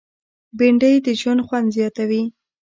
بېنډۍ د ژوند خوند زیاتوي